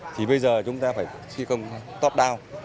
thì bây giờ chúng ta phải thi công top down